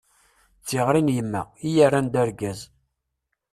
D tiɣri n yemma, i yi-erran d argaz.